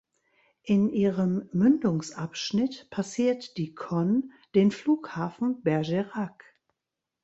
In ihrem Mündungsabschnitt passiert die Conne den Flughafen Bergerac.